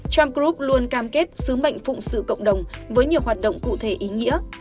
tram group luôn cam kết sứ mệnh phụng sự cộng đồng với nhiều hoạt động cụ thể ý nghĩa